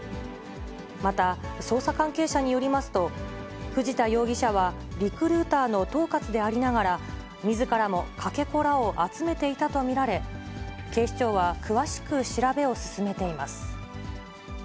また、捜査関係者によりますと、藤田容疑者は、リクルーターの統括でありながら、みずからもかけ子らを集めていたと見られ、警視庁は詳しく調べを進めています。